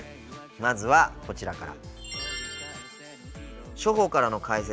まずはこちらから。